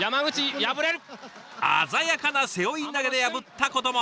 鮮やかな背負い投げで破ったことも。